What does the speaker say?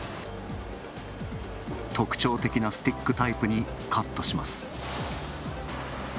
特徴的なスティックタイプにカットします。